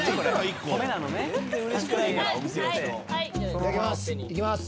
いただきます。